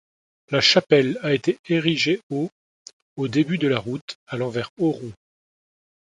La chapelle a été érigée au au début de la route allant vers Auron.